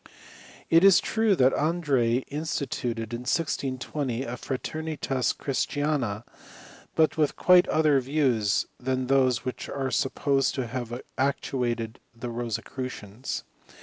It is true that Andreae instituted, in 1620, a/ra^er nitas christifina, but with quite other views than those which are supposed to have actuated the Rosecrucians.